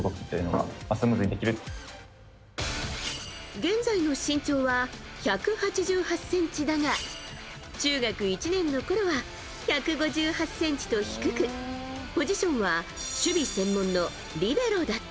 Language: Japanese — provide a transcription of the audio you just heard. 現在の身長は１８８ｃｍだが中学１年のころは１５８ｃｍと低くポジションは守備専門のリベロだった。